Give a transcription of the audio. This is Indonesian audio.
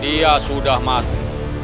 dia sudah mati